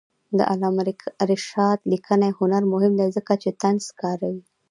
د علامه رشاد لیکنی هنر مهم دی ځکه چې طنز کاروي.